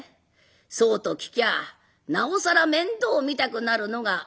そうと聞きゃあなおさら面倒見たくなるのが俺の気性だ。